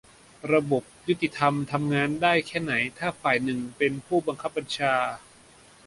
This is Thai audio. - ระบบยุติธรรมทำงานได้แค่ไหนถ้าฝ่ายหนึ่งเป็นผู้บังคับบัญชา